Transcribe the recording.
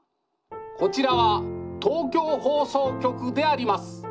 こちらは東京放送局であります。